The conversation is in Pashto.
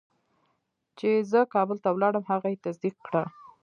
چې زه کابل ته لاړم هغه یې تصدیق کړه.